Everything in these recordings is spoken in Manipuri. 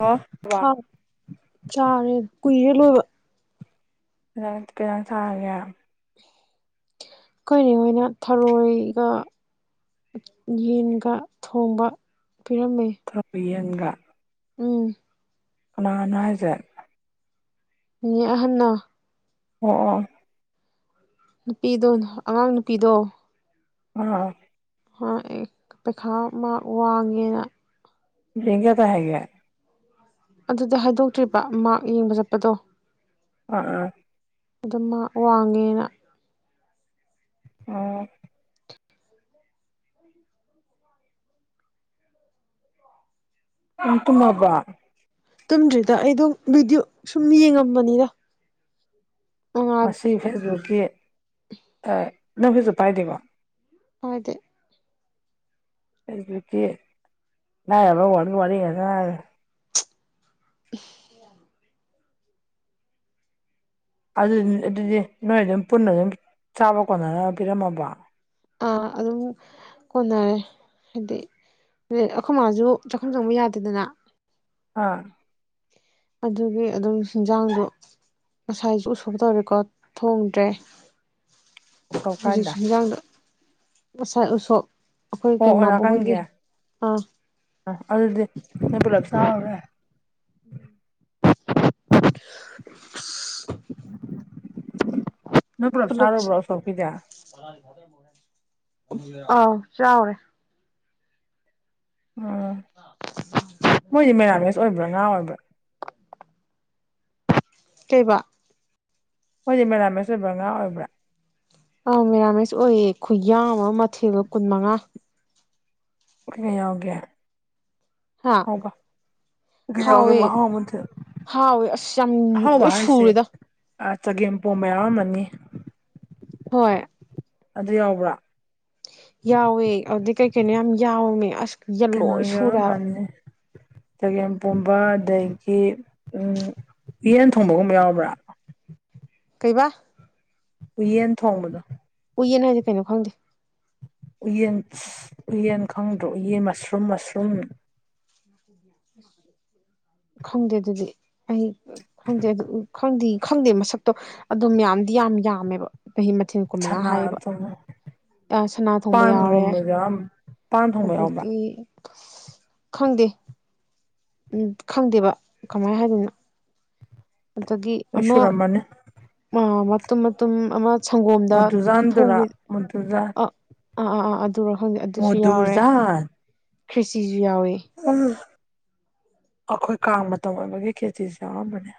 ꯑꯣ ꯍꯥꯎ ꯆꯥꯔꯦ ꯀꯨꯏꯔꯦ ꯂꯣꯏꯕ ꯔꯟ ꯀꯩ ꯏꯟꯖꯥꯡ ꯆꯥꯔꯒꯦ ꯈꯣꯏ ꯅꯦ ꯍꯣꯏꯅꯦ ꯊꯔꯣꯏꯒ ꯌꯦꯟꯒ ꯊꯣꯡꯕ ꯄꯤꯔꯝꯃꯦ ꯎꯅꯤ [unintelligible] ꯎꯝ ꯀꯅꯥꯅꯣ ꯍꯥꯏꯁꯦ ꯅꯦ ꯑꯍꯜꯅ ꯑꯣ ꯑꯣ ꯅꯨꯄꯤꯗꯣ ꯑꯉꯥꯡ ꯅꯨꯄꯤꯗꯣ ꯎꯥ [unintelligible] ꯍꯣꯏ ꯑꯩ ꯄꯩꯈꯥ ꯃꯥꯛ ꯋꯥꯡꯉꯦꯅ ꯔꯦꯟꯛ ꯀꯌꯥ ꯇꯥꯏ ꯍꯥꯏꯒꯦ ꯑꯗꯨꯗꯤ ꯍꯥꯏꯗꯣꯛꯇ꯭ꯔꯤꯕ ꯃꯥꯛ ꯌꯦꯡꯕ ꯆꯠꯄꯗꯣ ꯎꯝ ꯎꯝ ꯑꯗꯨꯝ ꯃꯥꯛ ꯋꯥꯡꯉꯦꯅ ꯎꯝ ꯎꯝ [inaudible] ꯑꯣ [inaudible] ꯅꯪ ꯇꯨꯝꯃꯕ ꯇꯨꯝꯗ꯭ꯔꯤꯗ ꯑꯩꯗꯣ ꯚꯤꯗꯤꯑꯣ ꯁꯨꯝ ꯌꯦꯡꯉꯝꯕꯅꯤꯗ ꯅꯨꯡꯉꯥꯏ ꯉꯁꯤ ꯐꯦꯁꯕꯨꯛꯀꯤ ꯑꯥ ꯅꯪ ꯐꯦꯁꯕꯨꯛ ꯄꯥꯏꯗꯦꯀꯣ ꯄꯥꯏꯗꯦ ꯑꯗꯨꯒꯤ ꯂꯥꯏꯔꯕ ꯋꯥꯔꯗ ꯒꯤ ꯋꯥꯔꯤ ꯉꯥꯛꯇꯥ ꯉꯏꯔꯦ ꯑꯝꯍ [unintelligible] ꯑꯗꯨꯗꯤ ꯑꯗꯨꯗꯤ ꯅꯣꯏ ꯑꯗꯨꯝ ꯄꯨꯟꯅ ꯑꯗꯨꯝ ꯆꯥꯕ ꯀꯣꯟꯅꯅꯕ ꯄꯤꯔꯝꯃꯕꯣ ꯑꯥ ꯑꯗꯨꯝ ꯀꯣꯟꯅꯔꯦ ꯍꯥꯏꯗꯤ ꯑꯗꯩꯩ ꯑꯩꯈꯣꯏ ꯃꯥꯁꯨ ꯆꯥꯛꯈꯨꯝ ꯆꯪꯕ ꯌꯥꯗꯦꯗꯅ ꯑꯥ ꯑꯗꯨꯒꯤ ꯑꯗꯨꯝ ꯍꯤꯟꯖꯥꯡꯗꯨ ꯉꯁꯥꯏꯁꯨ ꯎꯁꯣꯕ ꯇꯧꯔꯦꯀꯣ ꯊꯣꯡꯗ꯭ꯔꯦ ꯎꯁꯣꯞ ꯀꯥꯏꯗ ꯍꯧꯖꯤꯛꯁꯨ ꯍꯤꯖꯥꯡꯗꯨ ꯉꯁꯥꯏ ꯎꯁꯣꯕ ꯍ ꯑꯣ ꯅꯥꯀꯟꯒꯤ ꯑꯥ ꯑꯗꯨꯗꯤ ꯅꯣꯏ ꯄꯨꯂꯞ ꯆꯥꯎꯔꯦ ꯎꯝ ꯅꯣꯏ ꯄꯨꯂꯞ ꯆꯥꯔꯨꯕꯔꯣ ꯎꯁꯣꯕ ꯀꯤꯗꯦ ꯑꯥꯎ ꯆꯥꯎꯔꯦ ꯎꯝ ꯃꯣꯏꯗꯤ ꯃꯦꯔꯥꯃꯤꯁ ꯑꯣꯏꯕ꯭ꯔꯥ ꯉꯥ ꯑꯣꯏꯕ꯭ꯔꯥ ꯀꯩꯕ ꯃꯣꯏꯗꯤ ꯃꯦꯔꯥꯃꯤꯁ ꯑꯣꯏꯕ꯭ꯔꯥ ꯉꯥ ꯑꯣꯏꯕ꯭ꯔꯥ ꯑꯥꯎ ꯃꯦꯔꯥꯃꯤꯁ ꯑꯣꯏꯌꯦ ꯈꯨꯌꯥꯝ ꯑꯃ ꯃꯊꯦꯜꯗꯣ ꯀꯨꯟ ꯃꯉꯥ ꯃꯌꯥꯝꯒꯤ ꯍꯥ ꯍꯥꯎꯕꯥ ꯀꯩꯅꯣꯒꯤ ꯍꯥꯎꯋꯦ ꯒꯤ ꯃꯍꯥꯎ ꯑꯃ ꯊꯣꯛꯏ ꯍꯥꯎꯋꯦ ꯑꯁ ꯌꯥꯝ ꯑꯍꯥꯎꯕ ꯂꯣꯏ ꯍꯥꯏꯁꯦ ꯁꯨꯔꯦꯗ ꯆꯒꯦꯝꯄꯣꯝꯕ ꯌꯥꯎꯔꯝꯃꯅꯤ ꯍꯣꯏ ꯑꯗꯨ ꯌꯥꯎꯕ꯭ꯔꯥ ꯌꯥꯎꯋꯦ ꯑꯗꯨꯗꯩꯩ ꯀꯩ ꯀꯩꯅꯣ ꯌꯥꯝ ꯌꯥꯎꯃꯦ ꯑꯁ ꯌꯦꯟꯁꯥꯡ ꯂꯣꯏ ꯀꯩꯅꯣꯁꯨ ꯁꯨꯔꯦ ꯍꯥꯏꯕ ꯌꯥꯎꯔꯝꯃꯅꯤ ꯆꯒꯦꯝ ꯄꯣꯝꯕ ꯑꯗꯒꯤ ꯎꯌꯦꯟ ꯊꯣꯡꯕꯒꯨꯝꯕ ꯌꯥꯎꯕ꯭ꯔꯥ ꯀꯩꯕ ꯎꯨꯌꯦꯟ ꯊꯣꯡꯕꯗꯣ ꯎꯌꯦꯟ ꯍꯥꯏꯁꯦ ꯀꯩꯅꯣ ꯈꯪꯗꯦ ꯎꯌꯦꯟ ꯎꯌꯦꯟ ꯈꯪꯗ꯭ꯔꯣ ꯎꯌꯦꯟ ꯃꯁꯔꯨꯝ ꯃꯁꯔꯨꯝ ꯈꯪꯗꯦ ꯑꯗꯨꯗꯤ ꯑꯩ ꯈꯪꯗꯦ ꯑꯗꯨ ꯈꯪꯗꯦ ꯈꯪꯗꯦ ꯃꯁꯛꯇꯣ ꯑꯗꯨꯝ ꯌꯥꯝꯗꯤ ꯌꯥꯝ ꯌꯥꯝꯃꯦꯕ ꯃꯁꯛ ꯁꯅꯥ ꯇꯧꯕꯔꯥ ꯑ ꯁꯅꯥ ꯊꯣꯡꯕ ꯌꯥꯎꯔꯦ ꯄꯥꯟꯒꯨꯝꯕꯁꯨ ꯌꯥꯎꯔꯝꯃꯅꯤ ꯄꯥꯟ ꯊꯣꯡꯕ ꯌꯥꯎꯕ꯭ꯔ ꯑꯗꯒꯤ ꯈꯪꯗꯦ ꯎꯝ ꯈꯪꯗꯦꯕ ꯀꯃꯥꯏꯅ ꯍꯥꯏꯗꯣꯏꯅꯣ ꯑꯗꯒꯤ ꯂꯣꯏ ꯑꯃ ꯁꯨꯔꯝꯃꯅꯤ ꯑꯥ ꯃꯇꯨꯝ ꯃꯇꯨꯝ ꯑꯃ ꯁꯪꯒꯣꯝꯗ ꯊꯣꯡꯕꯤ ꯑꯗꯨꯗ ꯑ ꯑꯥ ꯑꯥ ꯑꯥ ꯑꯗꯨꯔ ꯑꯗꯨꯁꯨ ꯌꯥꯎꯔꯦ ꯃꯣꯗꯨꯖꯥꯟ ꯈ꯭ꯔꯦꯆꯤꯁꯨ ꯌꯥꯎꯏ ꯎꯝ ꯑꯩꯈꯣꯏ ꯀꯥꯡ ꯃꯇꯝ ꯑꯣꯏꯕꯒꯤ ꯈ꯭ꯔꯦꯆꯤꯁꯨ ꯌꯥꯎꯔꯝꯃꯅꯤ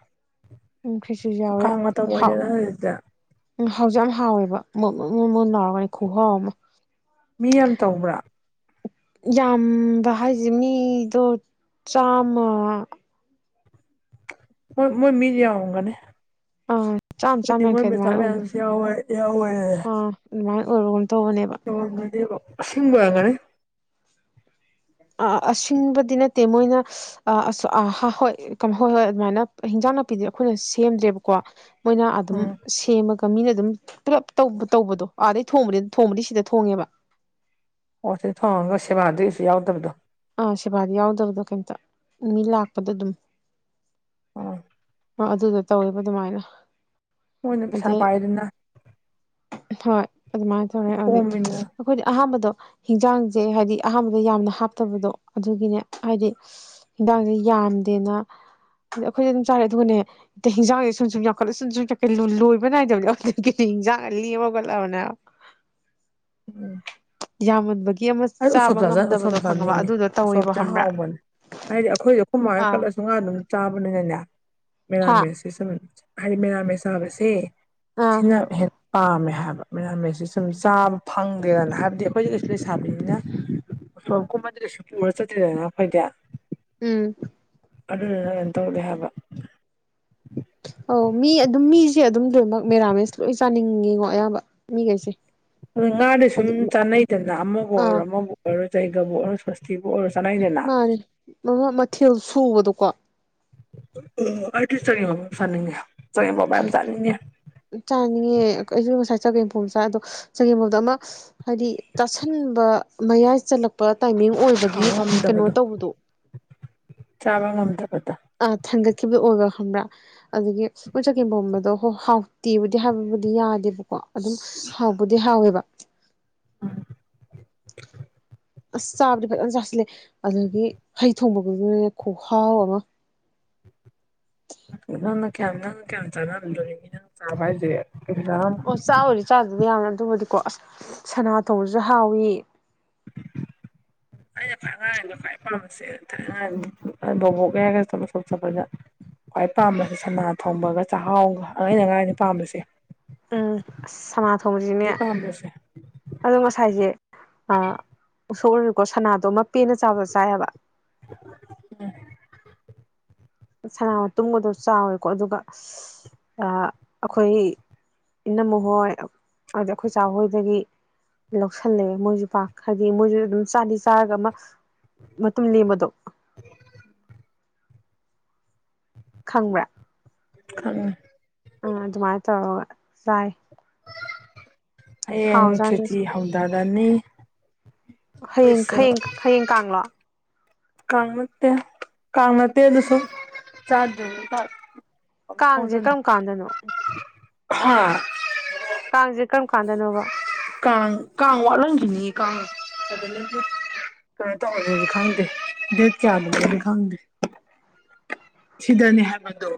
ꯎꯝ ꯈ꯭ꯔꯤꯁꯤꯁꯨ ꯌꯥꯎꯋꯦ ꯀꯥꯡ ꯃꯇꯝ ꯍꯥꯎ ꯑꯣꯏꯔꯦꯗꯅ ꯍꯧꯖꯤꯛꯇꯤ ꯎꯝ ꯍꯥꯎꯖꯨ ꯌꯥꯝ ꯍꯥꯎꯋꯦꯕ ꯃꯣꯟ ꯃꯣꯟ ꯂꯥꯎꯔꯒꯅꯦ ꯈꯨꯍꯥꯎ ꯑꯃ ꯃꯤ ꯌꯥꯝ ꯇꯧꯕ꯭ꯔꯥ ꯌꯥꯝꯕ ꯍꯥꯏꯁꯦ ꯃꯤꯗꯣ ꯆꯥꯝꯃ ꯃꯣꯏ ꯃꯣꯏ ꯃꯤ ꯌꯥꯝꯃꯝꯒꯅꯤ ꯑꯥ ꯆꯥꯝꯃ ꯃꯣꯏꯗꯤ ꯆꯥꯝꯃ ꯃꯣꯏ ꯌꯥꯡꯈꯩ ꯃꯆꯥ ꯑꯗꯨꯃꯥꯏꯅ ꯑꯣꯏ ꯃꯌꯥꯝꯁꯨ ꯌꯥꯎꯕꯅꯤꯅꯅꯦ ꯑꯥ ꯑꯗꯨꯃꯥꯏꯅ ꯑꯣꯏꯕꯒꯨꯝ ꯇꯧꯕꯅꯦꯕ ꯑꯁꯤꯡꯕ ꯑꯣꯏꯔꯝꯒꯅꯤ ꯑꯁꯤꯡꯕꯗꯤ ꯅꯠꯇꯦ ꯃꯣꯏꯅ ꯑꯁ ꯑ ꯍꯣꯏ ꯍꯥ ꯍꯣꯏ ꯍꯣꯏ ꯑꯗꯨꯃꯥꯏꯅ ꯍꯤꯟꯖꯥꯡ ꯅꯥꯄꯤꯗꯤ ꯑꯩꯈꯣꯏꯅ ꯁꯦꯝꯗ꯭ꯔꯦꯕꯀꯣ ꯃꯣꯏꯅ ꯑꯗꯨꯝ ꯎꯝ ꯁꯦꯝꯃꯒ ꯃꯤꯅ ꯑꯗꯨꯝ ꯄꯨꯂꯞ ꯇꯧꯕ ꯇꯧꯕꯗꯣ ꯑꯥꯗꯩ ꯊꯣꯡꯕꯗꯤ ꯊꯣꯡꯕꯗꯤ ꯁꯤꯗ ꯊꯣꯡꯉꯦꯕ ꯑꯣ ꯁꯤ ꯊꯣꯡꯉꯒ ꯁꯦꯕꯥꯗꯤ ꯀꯩꯁꯨ ꯌꯥꯎꯗꯕꯗꯣ ꯑ ꯁꯦꯕꯥꯗꯤ ꯌꯥꯎꯗꯕꯗꯣ ꯀꯩꯝꯇ ꯃꯤ ꯂꯥꯛꯄꯗ ꯑꯗꯨꯝ ꯎꯝ ꯑꯗꯨꯗꯣ ꯇꯧꯋꯦꯕ ꯑꯗꯨꯃꯥꯏꯅ ꯃꯣꯏꯅ ꯄꯩꯁꯥ ꯑꯗꯩ ꯄꯥꯏꯗꯅ ꯍꯣꯏ ꯑꯗꯨꯃꯥꯏꯅ ꯇꯧꯔꯦ ꯑꯗꯨꯗꯤ ꯀꯣꯝꯃꯤꯗꯅ ꯑꯩꯈꯣꯏꯗꯤ ꯑꯍꯥꯟꯕꯗꯣ ꯍꯤꯟꯖꯥꯡꯁꯦ ꯍꯥꯏꯗꯤ ꯑꯍꯥꯟꯕꯗ ꯌꯥꯝꯅ ꯍꯥꯞꯇꯕꯗꯣ ꯑꯗꯨꯒꯤꯅꯦ ꯍꯥꯏꯗꯤ ꯍꯤꯟꯖꯥꯡꯁꯦ ꯌꯥꯝꯗꯦꯅ ꯑꯩꯈꯣꯏꯗꯤ ꯑꯗꯨꯝ ꯆꯥꯔꯦ ꯑꯗꯨꯒꯅꯦ ꯍꯤꯟꯖꯥꯡꯁꯦ ꯁꯨꯝ ꯁꯨꯝ ꯌꯥꯝꯈꯠꯂꯛ ꯁꯨꯝ ꯁꯨꯝ ꯌꯥꯝꯈꯠ ꯂꯣꯏꯕ ꯅꯥꯏꯗꯕꯅꯦ ꯑꯗꯨꯗꯒꯤ ꯍꯤꯟꯖꯥꯡꯒ ꯂꯦꯝꯒꯠꯂꯕꯅꯦ ꯍꯥꯏꯕ ꯎꯝ ꯌꯥꯝꯃꯟꯕꯒꯤ ꯑꯃ ꯑꯩ ꯎꯁꯣꯞ ꯆꯥꯕ ꯆꯥꯖ ꯎꯁꯣꯞ ꯉꯝꯗꯕꯗꯣ ꯈꯪꯉꯕ ꯆꯥꯅꯤꯡꯉꯦ ꯑꯗꯨꯗꯣ ꯎꯁꯣꯞ ꯇꯧꯋꯦꯕ ꯆꯥ ꯈꯪꯕ꯭ꯔꯥ ꯍꯥꯎꯕꯅꯦ ꯍꯥꯏꯗꯤ ꯑꯩꯈꯣꯏ ꯑꯩꯈꯣꯏꯃꯅ ꯑꯥ ꯈꯠꯂꯁꯨ ꯉꯥ ꯑꯗꯨꯝ ꯆꯥꯕꯅꯤꯅꯅꯦ ꯍꯥ ꯃꯦꯔꯥꯃꯦꯁ [unintelligible] ꯍꯥꯏꯗꯤ ꯃꯦꯔꯥꯃꯦꯁ ꯆꯥꯕꯁꯦ ꯑꯥ ꯁꯤꯅ ꯍꯦꯟ ꯄꯥꯝꯃꯦ ꯍꯥꯏꯕ ꯃꯦꯔꯥ ꯃꯦꯁ ꯁꯦ ꯁꯨꯝ ꯆꯥꯕ ꯐꯪꯗꯦꯗꯅ ꯍꯥꯏꯕꯗꯤ ꯑꯩꯈꯣꯏꯖꯦ ꯀꯩꯁꯨ ꯂꯩ ꯁꯥꯕꯤ ꯅ ꯎꯁꯣꯞ ꯀꯨꯝꯃꯗ ꯀꯩꯁꯨ ꯄꯨꯔꯥ ꯆꯠꯇꯦꯗꯅ ꯑꯈꯣꯏꯗꯦ ꯎꯝ ꯑꯗꯨꯗꯨꯅ ꯀꯩꯅꯣ ꯇꯧꯗꯦ ꯍꯥꯏꯕ ꯑꯧ ꯃꯤ ꯑꯗꯨꯝ ꯃꯤꯖꯦ ꯑꯗꯨꯝ ꯂꯣꯏꯅꯃꯛ ꯃꯦꯔꯥꯃꯦꯁ ꯂꯣꯏ ꯆꯥꯅꯤꯡꯉꯤꯉꯣ ꯑꯌꯥꯝꯕ ꯃꯤꯒꯩꯁꯦ ꯉꯥꯗꯥ ꯁꯨꯝ ꯆꯥꯅꯩꯗꯅ ꯑꯃꯕꯨ ꯑꯥ ꯑꯣꯏꯔꯣ ꯑꯃꯕꯨ ꯑꯣꯏꯔꯣ ꯖꯩꯒꯕꯨ ꯑꯣꯏꯔꯣ ꯁꯣꯁꯇꯤꯕꯨ ꯑꯣꯏꯔꯣ ꯆꯥꯅꯩꯗꯅ ꯃꯥꯅꯦ [unintelligible] ꯃꯊꯦꯜ ꯁꯨꯕꯗꯣꯀꯣ ꯑ ꯑꯩ ꯆꯒꯦꯝ ꯑꯃꯨꯛ ꯆꯥꯅꯤꯡꯉꯦ ꯆꯒꯦꯝ ꯄꯣꯝꯕ ꯃꯌꯥꯝ ꯆꯥꯅꯤꯡꯉꯦ ꯆꯥꯅꯤꯡꯉꯦ ꯑꯛ ꯑꯩꯖꯨ ꯉꯁꯥꯏ ꯆꯒꯦꯝꯄꯣꯝ ꯆꯥ ꯑꯗꯣ ꯆꯒꯦꯝꯄꯣꯕꯗꯣ ꯑꯃ ꯍꯥꯏꯗꯤ ꯇꯥꯁꯟꯕ ꯃꯌꯥꯏ ꯆꯠꯂꯛꯄ ꯇꯥꯏꯃꯤꯡ ꯊꯥꯡ ꯑꯣꯏꯕꯒꯤ ꯀꯩꯅꯣ ꯉꯝꯗꯕꯗꯣ ꯇꯧꯕꯗꯣ ꯆꯥꯕ ꯉꯝꯗꯕꯗꯣ ꯑ ꯊꯟꯒꯠꯈꯤꯕ ꯑꯣꯏꯕ ꯈꯪꯕ꯭ꯔꯥ ꯑꯗꯨꯒꯤ ꯃꯣꯏ ꯆꯒꯦꯝ ꯄꯣꯝꯕꯗꯣ ꯍꯣ ꯍꯥꯎꯇꯦꯕꯨꯗꯤ ꯍꯥꯏꯕꯕꯨꯗꯤ ꯌꯥꯗꯦꯕꯀꯣ ꯑꯗꯨꯝ ꯍꯥꯎꯕꯨꯗꯤ ꯍꯥꯎꯋꯦꯕ ꯎꯝ ꯑꯁ ꯆꯥꯕꯗꯤ ꯐꯖꯅ ꯆꯥꯁꯤꯜꯂꯦ ꯑꯗꯒꯤ ꯍꯩ ꯊꯣꯡꯕꯒꯒꯅꯦ ꯈꯨꯍꯥꯎ ꯑꯃ ꯅꯪꯅ ꯀꯌꯥꯝ ꯅꯪꯅ ꯀꯌꯥꯝ ꯆꯥꯅ ꯉꯝꯗꯧꯔꯤꯒꯦ ꯅꯪ ꯆꯥꯕ ꯍꯥꯏꯖꯦ ꯀꯩꯁꯨ ꯆꯥꯔꯝꯃꯣꯏ ꯑꯣ ꯆꯥꯕꯨꯗꯤ ꯆꯥꯗꯦꯗ ꯌꯥꯝ ꯌꯥꯝ ꯑꯗꯨꯕꯨꯗꯤꯀꯣ ꯑꯁ ꯁꯅꯥ ꯊꯣꯡꯕꯖꯨ ꯍꯥꯎꯌꯤ [inaudible] ꯑꯩꯅ ꯈ꯭ꯋꯥꯏ ꯑꯉꯥꯡ ꯑꯣꯏꯉꯩ ꯈ꯭ꯋꯥꯏ ꯄꯥꯝꯕ [unintelligible] ꯕꯣꯕꯣꯛꯒ ꯑꯩꯒ ꯊꯕꯛ ꯁꯨꯝ ꯆꯠꯄꯗ ꯈ꯭ꯋꯥꯏ ꯄꯥꯝꯕꯁꯦ ꯁꯅꯥ ꯊꯣꯡꯕꯒ ꯆꯥꯛꯍꯥꯎꯒ ꯑꯥꯏꯅ ꯑꯉꯥꯡ ꯑꯣꯏꯔꯤꯉꯩꯗ ꯄꯥꯝꯕꯁꯦ ꯎꯝ ꯑꯁ ꯁꯅꯥ ꯊꯣꯡꯕꯖꯤꯅꯦ ꯗꯤ ꯄꯥꯝꯕꯁꯦ ꯑꯗꯣ ꯉꯁꯥꯏꯁꯦ ꯑꯥ ꯎꯁꯣꯞ ꯑꯣꯏꯔꯀꯣ ꯁꯅꯥꯗꯣꯃ ꯄꯦꯟꯅ ꯆꯥꯕ ꯆꯥꯏꯍꯥꯕ [unintelligible] ꯁꯅꯥ ꯇꯨꯝꯕꯗꯣ ꯆꯥꯎꯌꯦꯀꯣ ꯑꯗꯨꯒ ꯑꯁ ꯑ ꯑꯩꯈꯣꯏ ꯏꯅꯝꯃꯥ ꯍꯣꯏ ꯑꯗ ꯑꯈꯣꯏ ꯆꯥ ꯍꯣꯏꯗꯒꯤ ꯂꯧꯁꯜꯂꯦ ꯃꯣꯏꯁꯨ ꯄꯥꯛ ꯍꯥꯏꯗꯤ ꯃꯣꯏꯁꯨ ꯑꯗꯨꯝ ꯆꯥꯗꯤ ꯆꯥꯔꯒ ꯑꯃ ꯃꯇꯨꯝ ꯂꯦꯝꯕꯗꯣ ꯈꯪꯕ꯭ꯔꯥ ꯈꯪꯉꯦ ꯑꯥ ꯑꯗꯨꯃꯥꯏꯅ ꯇꯧꯔꯒ ꯆꯥꯏ ꯍꯌꯦꯡ ꯍꯥꯎꯖꯥꯠꯅꯤ ꯈꯦꯠꯆ꯭ꯔꯤ ꯍꯧꯗꯔꯅꯤ ꯍꯌꯦꯡ ꯍꯌꯦꯡ ꯍꯌꯦꯡ ꯀꯥꯡꯂꯣ ꯀꯥꯡ ꯅꯠꯇꯦ ꯀꯥꯡ ꯅꯠꯇꯦ ꯑꯗꯨꯁꯨ ꯆꯥꯗꯔꯕ ꯀꯥꯟ ꯀꯥꯡꯖꯦ ꯀꯔꯝ ꯀꯥꯟꯗꯅꯣ ꯍꯥꯥ ꯀꯥꯡꯖꯦ ꯀꯔꯝ ꯀꯥꯟꯗꯅꯣꯕ ꯀꯥꯡ ꯀꯥꯡ ꯋꯠꯂꯝꯈꯤꯅꯤ ꯀꯥꯡ [unintelligible] ꯀꯩꯅꯣ ꯗꯧꯍꯧꯗꯗꯤ ꯈꯪꯗꯦ ꯗꯦꯠ ꯀꯌꯥꯗꯅꯣꯗꯤ ꯈꯪꯗꯦ ꯁꯤꯗꯅꯦ ꯍꯥꯏꯕ ꯗꯣ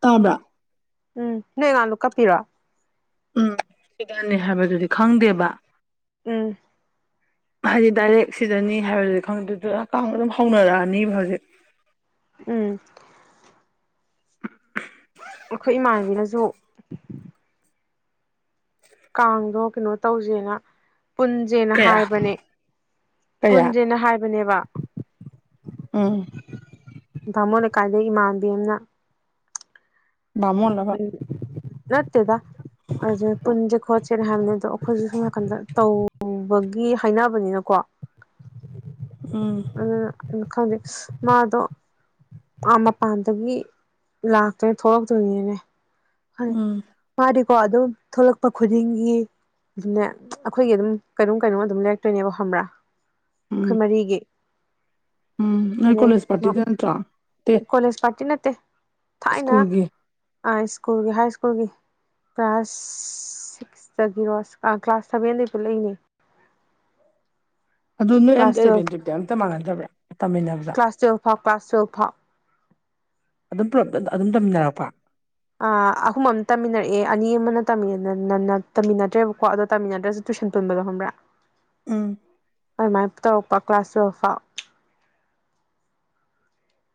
ꯇꯥꯕ꯭ꯔ ꯎꯝ ꯅꯣꯏ ꯑꯉꯥꯡꯗꯣ ꯀꯞꯄꯤꯔꯣ ꯎꯝ ꯄꯤꯗꯅꯤ ꯍꯥꯏꯕꯗꯨꯗꯤ ꯈꯪꯗꯦꯕ ꯎꯝ ꯍꯥꯏꯗꯤ ꯗꯥꯏꯔꯦꯛ ꯁꯤꯗꯅꯤ ꯍꯥꯏꯕꯗꯨꯗꯤ ꯈꯪꯗꯨꯗ ꯀꯥꯡ ꯑꯗꯨꯝ ꯍꯧꯅꯔꯛꯑꯅꯤꯕ ꯍꯧꯖꯤꯛ ꯎꯝ ꯑꯩꯈꯣꯏ ꯏꯃꯥꯟꯅꯕꯤꯅꯖꯨ ꯀꯥꯡꯗꯣ ꯀꯩꯅꯣ ꯇꯧꯖꯦꯅ ꯄꯨꯟ ꯖꯦꯅ ꯀꯌꯥ ꯍꯥꯏꯕꯅꯦ ꯀꯌꯥ ꯄꯨꯟꯖꯦꯅ ꯍꯥꯏꯕꯅꯦꯕ ꯎꯝ ꯕꯃꯣꯟ ꯂꯩꯀꯥꯏꯗꯩ ꯏꯃꯥꯟꯅꯕꯤ ꯑꯃꯅ ꯕꯃꯣꯟ ꯎꯝ ꯅꯠꯇꯦꯗ ꯍꯩꯖꯤꯛ ꯄꯨꯟꯁꯦ ꯈꯣꯠꯁꯦꯅ ꯍꯥꯏꯕꯅꯤ ꯑꯗꯣ ꯑꯩꯈꯣꯏꯁꯨ ꯁꯣꯝ ꯅꯥꯀꯟꯗ ꯇꯧꯕꯒꯤ ꯍꯥꯏꯅꯕꯅꯤꯅ ꯀꯣ ꯎꯝ ꯑꯗꯨꯅ ꯈꯪꯗꯦ ꯃꯥꯗꯣ ꯑꯥ ꯃꯄꯥꯟꯗꯒꯤ ꯂꯥꯛꯇꯣꯏ ꯊꯣꯛꯂꯛꯇꯣꯏꯅꯦꯅꯦ ꯐꯩ ꯎꯝ ꯃꯥꯗꯤꯀꯣ ꯑꯗꯨꯝ ꯊꯣꯛꯂꯛꯄ ꯈꯨꯗꯤꯡꯒꯤ ꯑꯗꯨꯅꯦ ꯑꯩꯈꯣꯏꯒꯤ ꯑꯗꯨꯝ ꯀꯩꯅꯣꯝ ꯀꯩꯅꯣꯝ ꯑꯗꯨꯝ ꯂꯩꯔꯛꯇꯣꯏꯅꯦꯕ ꯈꯪꯕ꯭ꯔꯥ ꯎꯝ ꯑꯈꯣꯏ ꯃꯔꯤꯒꯤ ꯎꯝ ꯅꯣꯏ ꯑꯗꯩ ꯀꯣꯂꯦꯖ ꯄ꯭ꯔꯥꯇꯤꯗ ꯅꯠꯇ꯭ꯔꯣ ꯇꯦ ꯀꯣꯂꯦꯖ ꯄ꯭ꯔꯥꯇꯤ ꯅꯠꯇꯦ ꯊꯥꯏꯅ ꯁ꯭ꯀꯨꯜꯒꯤ ꯑ ꯁ꯭ꯀꯨꯜꯒꯤ ꯍꯥꯏ ꯁ꯭ꯀꯨꯜꯒꯤ ꯀ꯭ꯂꯥꯁ ꯁꯤꯛꯁꯇꯒꯤꯔꯣ ꯀ꯭ꯂꯥꯁ ꯁꯚꯦꯟꯗꯩ ꯄꯨꯂꯛꯏꯅꯦ ꯑꯗꯨ ꯅꯣꯏ ꯀ꯭ꯂꯥꯁ ꯑꯝꯇ ꯇꯨꯌꯦꯜꯐ ꯔꯦꯟꯗꯤꯞꯇꯤ ꯑꯝꯇ ꯃꯥꯟꯅꯗꯕ꯭ꯔꯥ ꯇꯝꯃꯤꯟꯅꯕꯗ ꯀ꯭ꯂꯥꯁ ꯇꯨꯌꯦꯜ ꯐꯥꯎ ꯀ꯭ꯂꯥꯁ ꯇꯨꯌꯦꯜ ꯐꯥꯎ ꯑꯗꯨꯝ ꯄꯨꯂꯞ ꯇ ꯑꯗꯨꯝ ꯇꯝꯃꯤꯟꯅꯔꯛꯄ꯭ꯔꯣ ꯑ ꯑꯍꯨꯝ ꯑꯝꯇꯝꯃꯤꯟꯅꯔꯛꯑꯦ ꯑꯅꯤ ꯑꯃꯅ ꯇꯝꯃꯤꯟꯅ-ꯅ-ꯅ ꯇꯝꯃꯤꯅꯗ꯭ꯔꯦꯕꯀꯣ ꯑꯗꯣ ꯇꯝꯃꯤꯟꯅꯗ꯭ꯔꯁꯨ ꯇꯨꯏꯁꯟ ꯄꯨꯟꯕꯗꯣ ꯈꯪꯕ꯭ꯔꯥ ꯎꯝ ꯃꯥꯏ ꯃꯥꯏꯅ ꯇꯧꯔꯛꯄ ꯀ꯭ꯂꯥꯁ ꯇꯨꯌꯦꯜꯐ ꯐꯥꯎ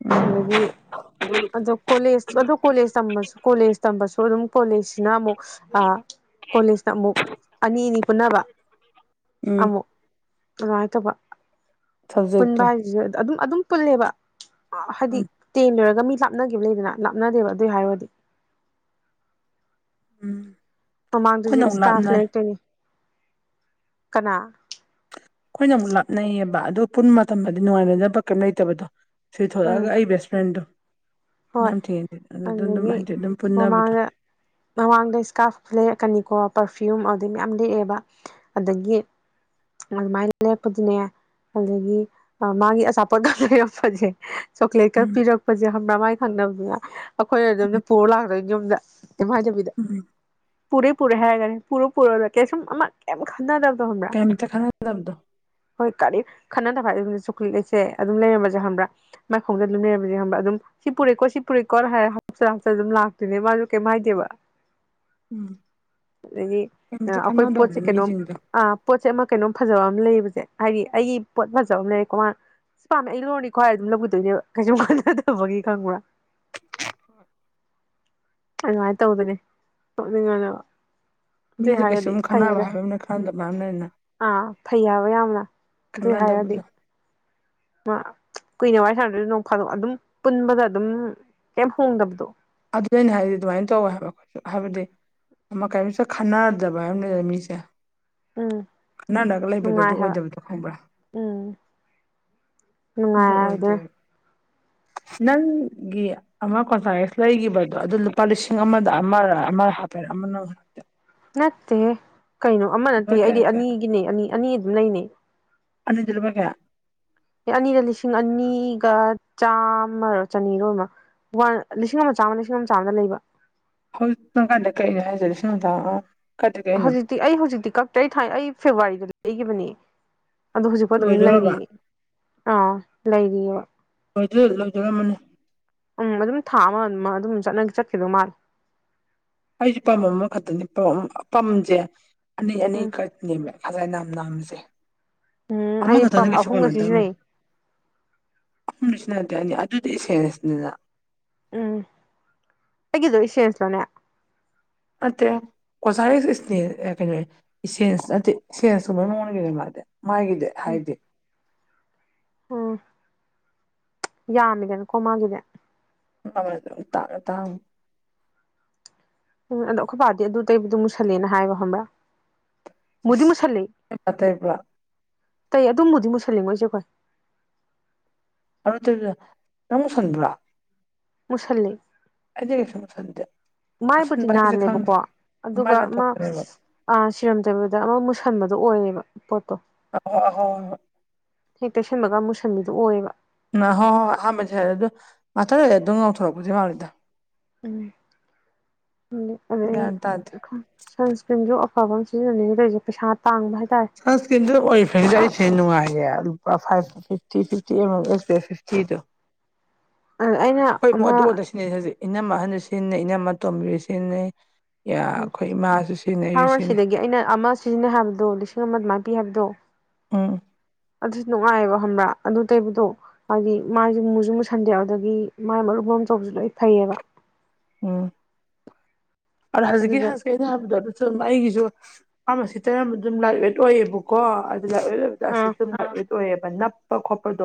ꯎꯝ ꯑꯗꯒꯤ ꯑꯗꯨꯛ ꯀꯣꯂꯦꯖ ꯑꯗꯨ ꯀꯣꯂꯦꯖ ꯇꯝ ꯃꯁꯨ ꯀꯣꯂꯦꯖ ꯇꯝꯕꯁꯨ ꯑꯗꯨꯝ ꯀꯣꯂꯦꯖꯁꯤꯅ ꯑꯃꯨꯛ ꯑꯥ ꯀꯣꯂꯦꯖꯇ ꯑꯃꯨꯛ ꯑꯅꯤ ꯑꯅꯤ ꯄꯨꯟꯅꯕ ꯎꯝ ꯑꯃꯨꯛ ꯑꯗꯨꯃꯥꯏꯇꯧꯕ ꯄꯨꯟꯕ ꯁꯕꯖꯦꯛꯇꯣ ꯍꯥꯏꯁꯤꯁꯨ ꯑꯗꯨꯝ ꯑꯗꯨꯝ ꯄꯨꯜꯂꯦꯕ ꯍꯥꯏꯗꯤ ꯎꯝ ꯇꯦꯟ ꯂꯣꯏꯔꯒ ꯃꯤ ꯂꯥꯞꯅꯒꯤꯕ ꯂꯩꯗꯅ ꯂꯥꯞꯅꯗꯦꯕ ꯑꯗꯨꯏ ꯍꯥꯏꯔꯨꯔꯗꯤ ꯎꯝ ꯃꯃꯥꯡꯗꯁꯨ ꯑꯩꯈꯣꯏꯅ ꯑꯃꯨꯛ ꯏ꯭ꯁꯀ꯭ꯔꯥꯐ ꯂꯥꯞꯅꯩ ꯂꯩꯛꯇꯣꯏꯅꯤ ꯀꯅꯥ ꯑꯩꯈꯣꯏꯅ ꯑꯃꯨꯛ ꯂꯥꯞꯅꯩꯌꯦꯕ ꯑꯗꯨ ꯄꯨꯟꯕ ꯃꯇꯝꯗꯗꯤ ꯅꯨꯡꯉꯥꯏꯅꯗꯕ ꯀꯔꯤꯝ ꯂꯩꯇꯕꯗꯣ ꯁꯤ ꯊꯣꯛꯂꯛꯑꯒ ꯎꯝ ꯑꯩ ꯕꯦꯁ ꯐ꯭ꯔꯦꯟꯗꯣ ꯍꯣꯏ ꯅꯍꯥꯟ ꯊꯦꯡꯅꯩ ꯑꯗꯨꯗ ꯑꯗꯨꯝ ꯑꯗꯒꯤ ꯍꯥꯏꯗꯤ ꯑꯗꯨꯝ ꯄꯨꯟꯅꯕꯗꯣ ꯃꯃꯥꯡꯗ ꯃꯃꯥꯡꯗ ꯏ꯭ꯁꯀ꯭ꯔꯥꯐ ꯂꯩꯔꯛꯀꯅꯤꯀꯣ ꯄꯥꯔꯐ꯭ꯌꯨꯝ ꯑꯗꯩ ꯃꯌꯥꯝ ꯂꯩꯔꯑꯦꯕ ꯑꯗꯒꯤ ꯃꯥꯏ ꯃꯥꯏꯅ ꯂꯦꯞꯄꯗꯤ ꯃꯌꯥꯝ ꯑꯗꯒꯤ ꯃꯥꯒꯤ ꯑꯆꯥꯄꯣꯠꯀ ꯄꯤꯔꯛꯄꯁꯦ ꯆꯣꯛꯀ꯭ꯂꯦꯠꯀ ꯎꯝ ꯄꯤꯔꯛꯄꯁꯦ ꯈꯝꯕ꯭ꯔꯃꯥꯏ ꯈꯪꯉꯕꯗꯨꯅ ꯑꯩꯈꯣꯏꯅ ꯑꯗꯨꯝꯅ ꯄꯨꯔ ꯂꯥꯛꯇꯣꯏꯅꯦ ꯌꯨꯝꯗ ꯏꯃꯥꯟꯅꯕꯤꯗꯨ ꯎꯝ ꯄꯨꯔꯦ ꯄꯨꯔꯦ ꯍꯥꯏꯔꯒꯅ ꯄꯨꯔꯣ ꯄꯨꯔꯣ ꯀꯩꯁꯨꯝ ꯑꯃ ꯀꯩꯝ ꯈꯟꯅꯗꯕꯗꯣ ꯈꯪꯕ꯭ꯔ ꯀꯩꯝꯇ ꯈꯟꯅꯗꯕꯗꯣ ꯍꯣꯏ ꯀꯔꯤ ꯈꯟꯅꯗꯕ ꯍꯥꯏ ꯆꯣꯛꯂꯦꯠꯁꯦ ꯑꯗꯨꯝ ꯂꯩꯔꯝꯕꯁꯦ ꯈꯪꯕ꯭ꯔꯥ ꯃꯥꯏꯐꯃꯨꯡꯗ ꯑꯗꯨꯝ ꯂꯩꯔꯝꯕꯁꯦ ꯈꯡꯕ꯭ꯔꯥ ꯑꯗꯨꯝ ꯁꯤ ꯄꯨꯔꯦꯀꯣ ꯁꯤ ꯄꯨꯔꯦꯀꯣ ꯍꯥꯏ ꯍꯥꯞꯆꯤꯜ ꯍꯥꯞꯆꯤꯜ ꯑꯗꯨꯝ ꯂꯥꯛꯇꯣꯏꯅꯦꯕ ꯃꯥꯁꯨ ꯀꯩꯝ ꯍꯥꯏꯗꯦꯕ ꯎꯝ ꯑꯗꯒꯤ ꯑ ꯀꯩꯝꯇ ꯑꯩꯈꯣꯏ ꯄꯣꯠꯁꯦ ꯈꯟꯅꯗꯕꯗꯣ ꯀꯩꯅꯣꯝ ꯃꯤꯁꯤꯡꯗꯣ ꯑ ꯄꯣꯠꯁꯦ ꯑꯃ ꯀꯩꯅꯣꯝ ꯐꯖꯕ ꯑꯃ ꯂꯩꯕꯁꯦ ꯍꯥꯏꯗꯤ ꯑꯩꯒꯤ ꯄꯣꯠ ꯐꯖꯕ ꯑꯃ ꯂꯩ ꯀꯣ ꯃ ꯁꯤ ꯄꯥꯝꯃꯦ ꯑꯩ ꯂꯧꯔꯅꯤꯀꯣ ꯍꯥꯏꯔꯗꯤ ꯑꯗꯨꯝ ꯂꯧꯒꯤꯗꯣꯏꯅꯦꯕ ꯀꯩꯁꯨꯝ ꯈꯟꯅꯗꯕꯒꯤ ꯈꯪꯕ꯭ꯔꯥ ꯑꯗꯨꯃꯥꯏꯅ ꯇꯧꯗꯣꯏꯅꯦ ꯅꯣꯛꯅꯤꯡꯉꯗꯕ ꯑꯗꯨꯏ ꯃꯤꯁꯦ ꯍꯥꯏꯔꯗꯤ ꯀꯩꯁꯨꯝ ꯈꯟꯅꯕ ꯐꯩꯗ ꯍꯥꯏꯕ ꯑꯃꯅ ꯈꯟꯅꯗꯕ ꯍꯥꯏꯕ ꯑꯃꯅ ꯑꯥ ꯐꯩ ꯍꯥꯏꯕ ꯌꯥꯝꯅ ꯑꯗꯨꯏ ꯍꯥꯏꯔꯗꯤ ꯈꯟꯅꯗꯕꯗꯣ ꯃꯥ ꯀꯨꯏꯅ ꯋꯥꯔꯤ ꯁꯥꯟꯅꯗ꯭ꯔꯁꯨ ꯅꯣꯡ ꯐꯥꯗꯣꯛ ꯑꯗꯨꯝ ꯄꯨꯟꯕꯗ ꯑꯗꯨꯝ ꯀꯩꯝ ꯍꯣꯡꯗꯕꯗꯣ ꯑꯗꯨ ꯑꯩꯅ ꯍꯥꯏꯗꯤ ꯑꯗꯨꯃꯥꯏꯅ ꯇꯧ ꯍꯥꯏꯕ ꯑꯩꯈꯣꯏꯁꯨ ꯍꯥꯏꯕꯗꯤ ꯑꯃ ꯀꯔꯤꯝꯇ ꯈꯟꯅꯗꯕ ꯍꯥꯏꯕ ꯂꯩꯗꯅ ꯃꯤꯁꯦ ꯎꯝ ꯅꯛꯅꯒ ꯂꯩꯕꯗꯨ ꯑꯗꯨ ꯅꯨꯡꯉꯥꯏ ꯍꯥꯏꯕ ꯑꯣꯏꯗꯕꯗꯣ ꯈꯪꯕ꯭ꯔꯥ ꯎꯝ ꯑꯗꯨ ꯅꯨꯡꯉꯥꯏ [unintelligible] ꯑꯣꯏꯗꯦꯕ ꯅꯪꯒꯤ ꯑꯃ ꯀꯣꯟꯐꯥꯌꯔ ꯂꯩꯈꯤꯕꯗꯣ ꯑꯗꯨ ꯂꯨꯄꯥ ꯂꯤꯁꯤꯡ ꯑꯃꯗ ꯑꯃꯔ ꯑꯃ ꯍꯥꯞꯄꯦ ꯑꯃꯅ ꯅꯠꯇꯦꯍꯦ ꯀꯩꯅꯣ ꯑꯃ ꯂꯨꯄꯥ ꯅꯠꯇꯦ ꯀꯌꯥ ꯑꯩꯗꯤ ꯀꯌꯥ ꯑꯅꯤꯒꯤꯅꯦ ꯑꯅꯤ ꯑꯅꯤ ꯑꯗꯨꯝ ꯂꯩꯅꯦ ꯑꯅꯤꯗ ꯂꯨꯄꯥ ꯀꯌꯥ ꯑꯦ ꯑꯅꯤꯗ ꯂꯤꯁꯤꯡ ꯑꯅꯤꯒ ꯆꯥꯝꯃꯔ ꯆꯅꯤꯔꯣ ꯑꯣꯏꯃꯥ ꯋꯥꯟ ꯂꯤꯁꯤꯡ ꯑꯃ ꯆꯥꯝꯃ ꯂꯤꯁꯤꯡ ꯑꯃ ꯆꯥꯝꯗ ꯂꯩꯕ ꯍꯧꯖꯤꯛ ꯅꯪ ꯀꯥꯏꯗꯩ ꯀꯛꯏꯅꯣ ꯍꯥꯏꯖꯦ ꯂꯤꯁꯤꯡ ꯑꯃ ꯆꯥꯝꯃ ꯑꯣ ꯀꯥꯏꯗꯩ ꯀꯛꯏꯅꯣ ꯇꯤ ꯑꯩ ꯍꯧꯖꯤꯛꯇꯤ ꯀꯛꯇ꯭ꯔꯦ ꯑꯩ ꯊꯥꯏ ꯑꯩ ꯐꯦꯕꯋꯥꯔꯤꯗ ꯂꯩꯒꯤꯕꯅꯦ ꯑꯗꯣ ꯍꯧꯖꯤꯛꯐꯥꯎ ꯑꯗꯨꯝ ꯂꯣꯏꯗꯣꯔꯕ ꯂꯩꯔꯤꯌꯦ ꯑꯥ ꯂꯩꯔꯤꯑꯕ ꯂꯣꯏꯗꯤ ꯂꯧꯗꯣꯔꯝꯃꯅꯤ ꯎꯝ ꯑꯗꯨꯝ ꯊꯥ ꯑꯃ ꯑꯃ ꯑꯗꯨꯝ ꯆꯠꯅ ꯆꯠꯈꯤꯕ ꯃꯥꯜꯂꯤ ꯑꯩꯁꯨ ꯄꯝ ꯑꯃꯈꯛꯇꯅꯤ ꯄꯝ ꯄꯝꯁꯦ ꯑꯅꯤ ꯎꯝ ꯑꯅꯤꯈꯛ ꯅꯦꯝꯃꯦ ꯈꯖꯥꯏ ꯅꯥꯝ ꯅꯥꯝꯃꯁꯦ ꯎꯝ ꯑꯩ ꯑꯃꯈꯛꯇꯅ ꯄꯝ ꯀꯩꯁꯨ ꯑꯍꯨꯝꯒ ꯀꯣꯟꯅꯗꯕꯅꯦ ꯁꯤꯖꯤꯟꯅꯩ ꯎꯝ ꯁꯤꯅꯗꯦ ꯑꯅꯤ ꯑꯗꯨꯗꯤ ꯏꯁꯦꯟꯁꯅꯤꯅ ꯎꯝ ꯑꯩꯒꯤꯗꯣ ꯏꯆꯦꯟꯁꯂꯅꯦ ꯑꯠꯇꯦ ꯀꯣꯁꯥꯏꯔꯤ ꯏꯁꯅꯦ ꯑꯦ ꯀꯩꯅꯦ ꯏꯁꯦꯟꯁ ꯅꯠꯇꯦ ꯏꯁꯦꯟꯁ ꯀꯨꯝꯕꯩ ꯃꯑꯣꯡꯅꯤ ꯀꯩꯅꯣꯃꯥꯗꯤ ꯃꯥꯥꯏꯒꯤꯗꯤ ꯎꯝ ꯍꯥꯏꯗꯤ ꯎꯝ ꯌꯥꯝꯃꯤꯗꯅꯀꯣ ꯃꯥꯒꯤꯗꯤ ꯎꯤ ꯑꯃ ꯑꯗꯨꯝ ꯑꯇꯥꯡ ꯑꯇꯥꯡ ꯎꯝ ꯑꯗꯣ ꯑꯩꯈꯣꯏ ꯄꯥꯗꯤ ꯑꯗꯨ ꯇꯩꯕꯗꯣ ꯃꯨꯁꯜꯂꯦꯅ ꯍꯥꯏꯕ ꯈꯪꯕ꯭ꯔꯥ ꯃꯨꯗꯤ ꯃꯨꯁꯜꯂꯦ ꯏꯁ ꯇꯩꯕ꯭ꯔꯥ ꯑꯗꯣ ꯃꯨꯗꯤ ꯃꯨꯁꯜꯂꯤꯉꯣ ꯏꯆꯦꯈꯣꯏ ꯑꯗꯨꯔ ꯅꯪ ꯃꯨꯁꯟꯕ꯭ꯔꯥ ꯃꯨꯁꯜꯂꯦ ꯑꯩꯗꯤ ꯀꯩꯁꯨ ꯃꯨꯁꯟꯗꯦ ꯃꯥꯏꯕꯨꯗꯤ ꯃꯨꯁꯟꯕ ꯍꯥꯏꯁꯦ ꯅꯥꯜꯂꯦꯕꯀꯣ ꯈꯪꯗꯦ ꯑꯗꯨꯒ ꯃꯥꯏꯅ ꯑꯃ ꯊꯣꯛꯄꯅꯦꯕ ꯑꯥ ꯁꯤꯔꯝ ꯇꯩꯕꯗ ꯑꯃ ꯃꯨꯁꯟꯕꯗꯣ ꯑꯣꯏꯌꯦꯕ ꯄꯣꯠꯇꯣ ꯑ ꯑꯍꯣ ꯑꯍꯣ ꯍꯣꯏ ꯍꯣꯏ ꯍꯦꯛ ꯇꯩꯁꯟꯕꯒ ꯃꯨꯁꯟꯕꯗꯨ ꯑꯣꯏꯕ ꯑ ꯍꯣꯏ ꯍꯣꯏ ꯑꯍꯥꯟꯕꯗꯤ ꯍꯥꯏꯔꯦ ꯑꯗꯨ ꯉꯥꯛꯇꯪ ꯂꯩꯔ ꯑꯗꯨꯝ ꯉꯧꯊꯣꯔꯛꯄꯗꯤ ꯃꯥꯜꯂꯤꯗ ꯎꯝ ꯒ꯭ꯌꯥꯟ ꯇꯥꯗꯦ ꯑꯗꯩ ꯁꯟꯁꯀ꯭ꯔꯤꯟꯁꯨ ꯑꯐꯕ ꯑꯃ ꯁꯤꯖꯤꯟꯅꯅꯤꯡꯉꯤ ꯇꯧꯏꯖꯦ ꯄꯩꯁꯥ ꯇꯥꯡꯕ ꯍꯥꯏꯇꯥꯔꯦ ꯁꯟꯁꯀ꯭ꯔꯤꯟꯗꯨ ꯑꯣꯔꯤ ꯐ꯭ꯔꯦꯝꯒꯤꯗꯣ ꯑꯩꯁꯦ ꯅꯨꯡꯉꯥꯏꯌꯦ ꯂꯨꯄꯥ five fifty fifty S P F ꯐꯤꯐꯇꯤꯗꯣ [inaudible] ꯑꯩꯅ ꯑꯩꯈꯣꯏ ꯏꯃꯨꯡ ꯑꯃ ꯑꯗꯨ ꯉꯥꯛꯇ ꯁꯤꯖꯤꯟꯅꯩ ꯍꯧꯖꯤꯛ ꯏꯅꯝꯃ ꯑꯍꯟꯁꯨ ꯁꯤꯖꯤꯟꯅꯩ ꯏꯅꯝꯃ ꯑꯇꯣꯝꯕꯤꯁꯨ ꯁꯤꯖꯤꯟꯅꯩ ꯑ ꯑꯩꯈꯣꯏ ꯏꯃꯥꯁꯨ ꯁꯤꯖꯤꯟꯅꯩ ꯑꯩꯖꯨ ꯁꯤꯖꯤꯟꯅꯩ ꯒꯤ ꯑꯩꯅ ꯑꯃ ꯁꯤꯖꯤꯟꯅꯩ ꯍꯥꯏꯕꯗꯣ ꯂꯤꯁꯤꯡ ꯑꯃ ꯑꯗꯨꯃꯥꯏꯅ ꯄꯤ ꯍꯥꯏꯕꯗꯣ ꯎꯝ ꯑꯗꯨꯗꯤ ꯅꯨꯡꯉꯥꯏꯑꯕ ꯈꯪꯕ꯭ꯔꯥ ꯑꯗꯨ ꯇꯩꯕꯗꯣ ꯍꯥꯏꯗꯤ ꯃꯥꯏꯖꯨ ꯃꯨꯖꯨ ꯃꯨꯁꯟꯗꯦ ꯑꯗꯨꯗꯒꯤ ꯃꯥꯥꯏ ꯃꯔꯨꯝ ꯃꯔꯨꯝ ꯇꯧꯕꯁꯨ ꯂꯣꯏ ꯐꯩꯑꯕ ꯎꯝ ꯑꯖ ꯍꯖꯤꯛꯀꯤ ꯑꯗꯨꯗ ꯍꯥꯏ ꯀꯤ ꯑꯩꯅ ꯍꯥꯏꯕꯗꯣ ꯑꯗꯨꯨꯁꯨ ꯑꯩꯒꯤꯁꯨ ꯐꯥꯔꯃꯥꯁꯤ ꯇꯩꯔꯝꯕꯗꯣ ꯑꯗꯨꯝ ꯂꯥꯏꯠ ꯋꯦꯠ ꯑꯣꯏꯌꯦꯕꯀꯣ ꯑꯗ ꯑꯗꯨ ꯂꯥꯏꯠ ꯋꯦꯠ ꯑꯣꯏꯕꯗꯣ ꯑꯁꯤ ꯑꯥ ꯁꯨꯝ ꯂꯥꯏꯠ ꯋꯦꯠ ꯑꯣꯏꯑꯦꯕ ꯅꯞꯄ ꯈꯣꯠꯄꯗꯣ